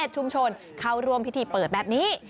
ชุมชนเข้าร่วมพิธีเปิดแบบนี้